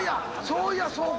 そういやそうか。